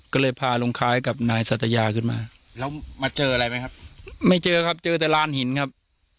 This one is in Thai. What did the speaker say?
ก็เลยพาลุงคล้ายกับนายสัตยาขึ้นมาแล้วมาเจออะไรไหมครับไม่เจอครับเจอแต่ลานหินครับ